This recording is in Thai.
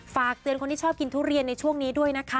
ฝากเตือนคนที่ชอบกินทุเรียนในช่วงนี้ด้วยนะคะ